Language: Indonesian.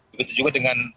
begitu juga dengan